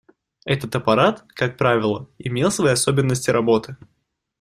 Этот аппарат, как правило, имел свои особенности работы.